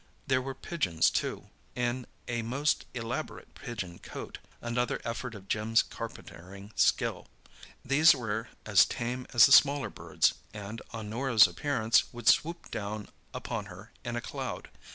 There were pigeons, too, in a most elaborate pigeon cote—another effort of Jim's carpentering skill. These were as tame as the smaller birds, and on Norah's appearance would swoop down upon her in a cloud.